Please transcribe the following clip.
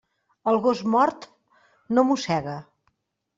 El gos mort no mossega.